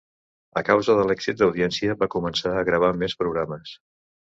A causa de l'èxit d'audiència van començar a gravar més programes.